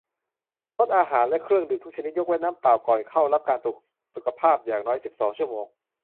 งดอาหารและเครื่องดื่มทุกชนิด ยกเว้นน้ำเปล่า ก่อนเข้ารับการตรวจสุขภาพอย่างน้อย สิบสอง ชั่วโมง